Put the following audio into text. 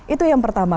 itu yang pertama